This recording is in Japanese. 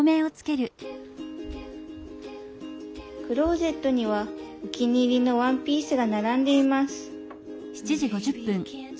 クローゼットにはお気に入りのワンピースが並んでいます